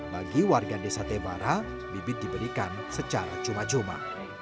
bagi warga desa tebara bibit diberikan secara cuma cuma